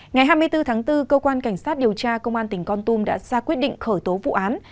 ngày hai mươi bốn tháng bốn cơ quan cảnh sát điều tra công an tỉnh con tum đã ra quyết định khởi tố vụ án